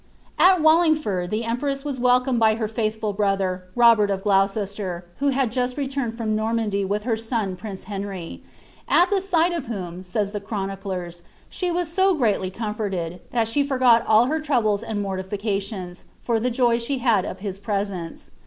At Wallingford the empress was welcomed by her faithful brother, Robert of Gloucester, who had just returned from Normandy with her ion prince Henry ;at the sight of whom," says the chroniders, ^ she vu so greatly comforte<I, that she forgot all her troubles and mortifica tions, for the joy she had of his presence."